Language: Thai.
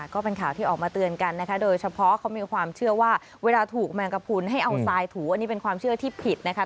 ก็เป็นข่าวที่ออกมาเตือนกันนะคะโดยเฉพาะเขามีความเชื่อว่าเวลาถูกแมงกระพุนให้เอาทรายถูอันนี้เป็นความเชื่อที่ผิดนะคะ